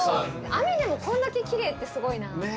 雨でもこんだけきれいってすごいな。